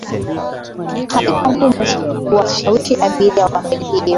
haikuwa ngumu kuwashawishi abiria wa meli hiyo